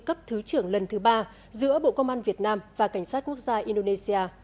cấp thứ trưởng lần thứ ba giữa bộ công an việt nam và cảnh sát quốc gia indonesia